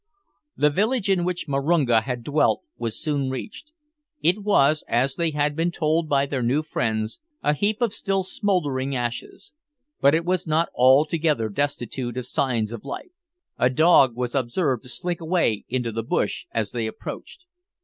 The village in which Marunga had dwelt was soon reached. It was, as they had been told by their new friends, a heap of still smouldering ashes; but it was not altogether destitute of signs of life. A dog was observed to slink away into the bush as they approached.